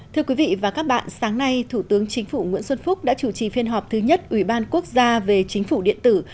thưa quý vị và các bạn sáng nay thủ tướng chính phủ nguyễn xuân phúc đã chủ trì phiên họp thứ nhất ủy ban quốc gia về chính phủ điện tử